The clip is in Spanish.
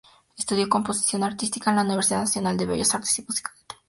Estudió composición artística en la Universidad Nacional de Bellas Artes y Música de Tokio.